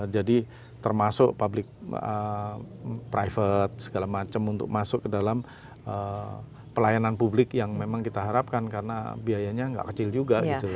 jadi termasuk public private segala macam untuk masuk ke dalam pelayanan publik yang memang kita harapkan karena biayanya gak kecil juga gitu